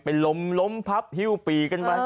ไปลมลมพับหิ้วปีกันไหม